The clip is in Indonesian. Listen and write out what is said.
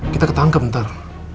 kita ketangkep ntar